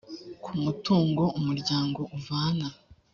ku mutungo umuryango uvana